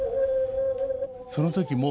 その時も。